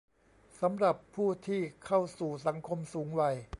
สำหรับผู้ที่เข้าสู่สังคมสูงวัย